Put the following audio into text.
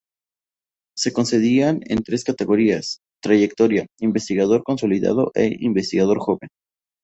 Se concedían en tres categorías: Trayectoria, Investigador Consolidado e Investigador Joven.